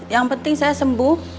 yang penting saya sembuh